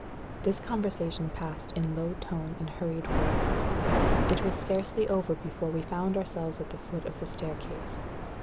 This conversation passed in low tone and hurried words. It was scarcely over before we found ourselves at the foot of the staircase.